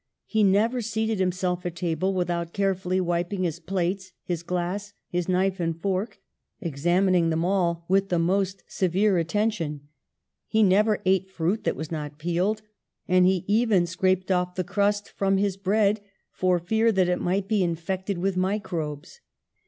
He never seated himself at table without carefully wiping his plates, his glass, his knife and fork, examining them all with the most severe attention. He never ate fruit that was not peeled, and he even scraped off the crust from his bread, for fear that it might be infected with microbes.